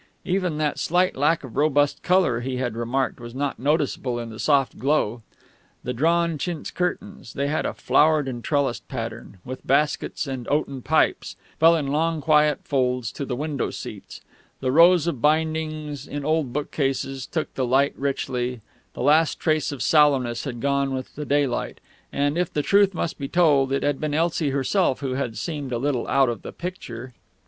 Even that slight lack of robust colour he had remarked was not noticeable in the soft glow. The drawn chintz curtains they had a flowered and trellised pattern, with baskets and oaten pipes fell in long quiet folds to the window seats; the rows of bindings in old bookcases took the light richly; the last trace of sallowness had gone with the daylight; and, if the truth must be told, it had been Elsie herself who had seemed a little out of the picture.